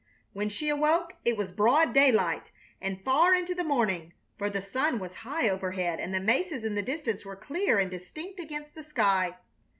When she awoke it was broad daylight and far into the morning, for the sun was high overhead and the mesas in the distance were clear and distinct against the sky.